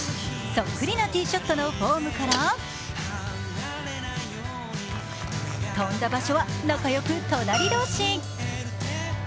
そっくりなティーショットのフォームから飛んだ場所は、仲良く隣同士。